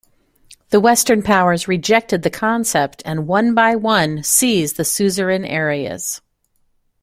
The Western powers rejected the concept and one by one seized the suzerain areas.